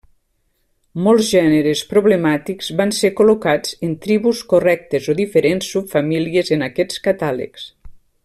Molts gèneres problemàtics van ser col·locats en tribus correctes o diferents subfamílies en aquests catàlegs.